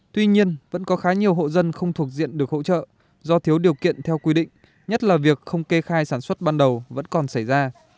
tuy nhiên vẫn có khá nhiều hộ dân không thuộc diện được hỗ trợ do thiếu điều kiện theo quy định nhất là việc không kê khai sản xuất ban đầu vẫn còn xảy ra